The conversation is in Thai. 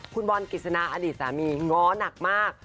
คุณบอลกฤษณาอดีตสามีง้อหนักมาก